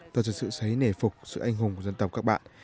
tôi thật sự xấy nể phục sự anh hùng của dân tộc các bạn